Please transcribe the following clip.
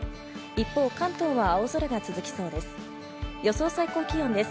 一方、関東は青空が続きそうです。